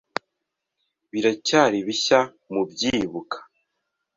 Biracyari bishya mubyibuka.